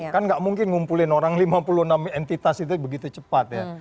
kan nggak mungkin ngumpulin orang lima puluh enam entitas itu begitu cepat ya